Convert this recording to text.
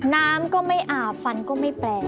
น้ำก็ไม่อาบฟันก็ไม่แปล